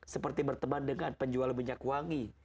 seperti berteman dengan penjual minyak wangi